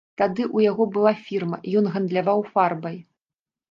Тады ў яго была фірма, ён гандляваў фарбай.